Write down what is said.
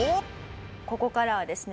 ここからはですね